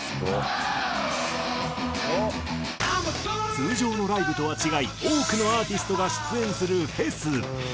通常のライブとは違い多くのアーティストが出演するフェス。